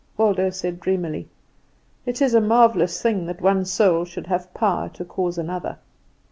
'" Waldo said dreamingly: "It is a marvellous thing that one soul should have power to cause another."